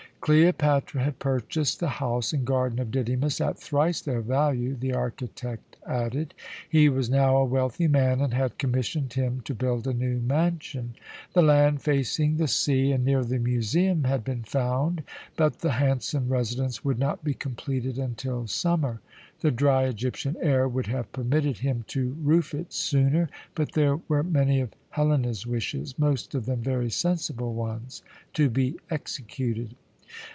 Cleopatra had purchased the house and garden of Didymus at thrice their value, the architect added. He was now a wealthy man, and had commissioned him to build a new mansion. The land facing the sea and near the museum had been found, but the handsome residence would not be completed until summer. The dry Egyptian air would have permitted him to roof it sooner, but there were many of Helena's wishes most of them very sensible ones to be executed.